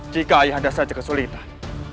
jika ayahanda saja kesulitan